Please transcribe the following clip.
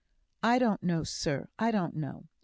"I don't know, sir I don't know."